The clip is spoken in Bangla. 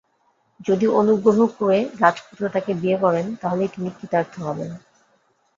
যদি অনুগ্রহ করে রাজপুত্র তাঁকে বিয়ে করেন, তাহলেই তিনি কৃতার্থ হবেন।